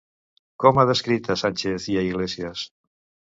Com ha descrit a Sánchez i a Iglesias?